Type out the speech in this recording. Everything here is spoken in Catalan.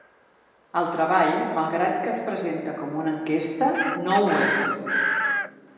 El treball, malgrat que es presenta com una enquesta, no ho és.